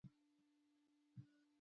ګاندي د ساتیاګراها پر اصل ټینګار کاوه.